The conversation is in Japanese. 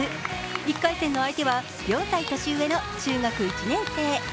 １回戦の相手は４歳年上の中学１年生。